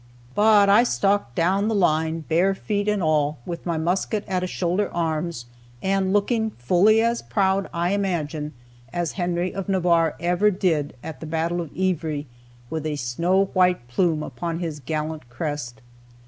But I stalked down the line, bare feet and all, with my musket at a shoulder arms, and looking fully as proud, I imagine, as Henry of Navarre ever did at the battle of Ivry, with "a snow white plume upon his gallant crest."